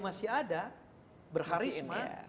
masih ada berharisma